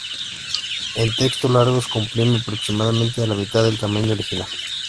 En textos largos, comprime aproximadamente a la mitad del tamaño original.